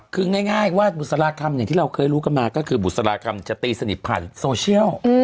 คือง่ายว่าบุษราคำอย่างที่เราเคยรู้กันมาก็คือบุษรากรรมจะตีสนิทผ่านโซเชียล